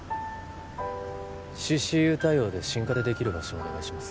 ＣＣＵ対応で心カテできる場所をお願いします